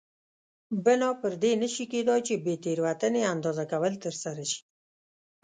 بنا پر دې نه شي کېدای چې بې تېروتنې اندازه کول ترسره شي.